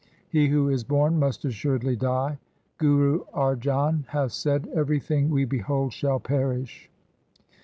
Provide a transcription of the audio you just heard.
He who is born must assuredly die. Guru Arjan hath said, " Everything we behold shall perish."